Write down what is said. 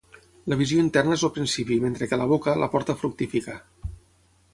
La visió interna és el principi mentre que la boca, la porta a fructificar.